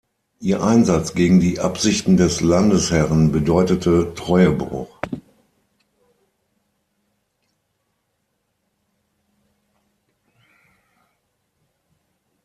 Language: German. Ihr Einsatz gegen die Absichten des Landesherren bedeutete Treuebruch.